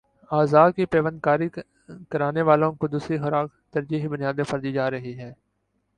اعضا کی پیوند کاری کرانے والوں کو دوسری خوراک ترجیحی بنیادوں پر دی جارہی ہے